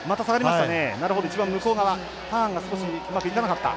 一番向こう側、ターンが少しうまくいかなかった。